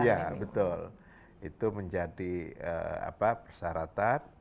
iya betul itu menjadi persyaratan